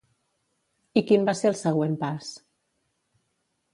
I quin va ser el següent pas?